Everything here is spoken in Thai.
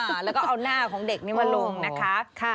แล้วก็เอาหน้าของเด็กนี้มาลงนะคะ